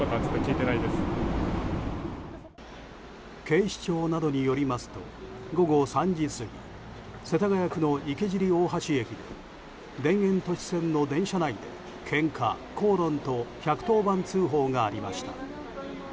警視庁などによりますと午後３時過ぎ世田谷区の池尻大橋駅で田園都市線の電車内でけんか、口論と１１０番通報がありました。